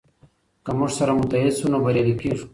که موږ سره متحد سو نو بريالي کيږو.